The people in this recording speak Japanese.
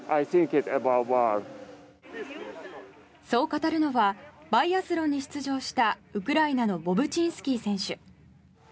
そう語るのはバイアスロンに出場したウクライナのボブチンスキー選手。